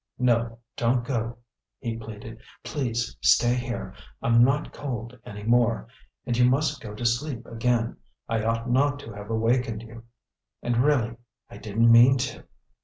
"No, don't go," he pleaded. "Please stay here; I'm not cold any more. And you must go to sleep again. I ought not to have wakened you; and, really, I didn't mean to."